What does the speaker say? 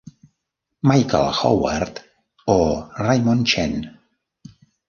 Michael Howard o Raymond Chen.